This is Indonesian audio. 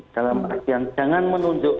dalam artian jangan menunjuk